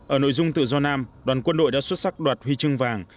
ở nội dung tự do nam đoàn quân đội đã xuất sắc đoạt huy chương vàng